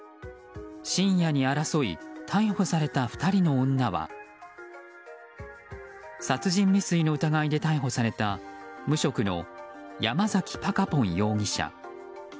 深夜に争い逮捕された２人の女は殺人未遂の疑いで逮捕された無職のヤマザキ・パカポン容疑者。